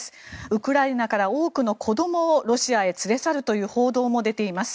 ウクライナから多くの子どもをロシアへ連れ去るという報道も出ています。